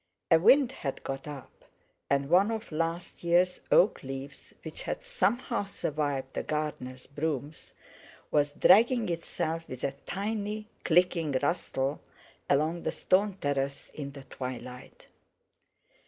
A wind had got up, and one of last year's oak leaves which had somehow survived the gardener's brooms, was dragging itself with a tiny clicking rustle along the stone terrace in the twilight.